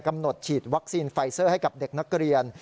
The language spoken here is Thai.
ฉีดวัคซีนไฟเซอร์ให้กับเด็กนักเรียน